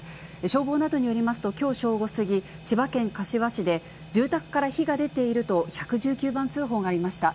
消防などによりますと、きょう正午過ぎ、千葉県柏市で、住宅から火が出ていると１１９番通報がありました。